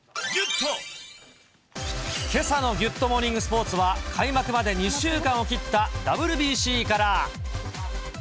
けさのギュッとモーニングスポーツは開幕まで２週間を切ったＷＢＣから。